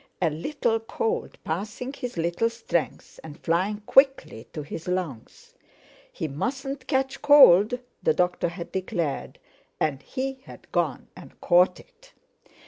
A little cold, passing his little strength and flying quickly to his lungs. "He mustn't catch cold," the doctor had declared, and he had gone and caught it.